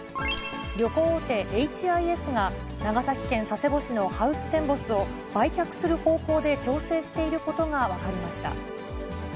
旅行大手、エイチ・アイ・エスが、長崎県佐世保市のハウステンボスを、売却する方向で調整していることが分かりました。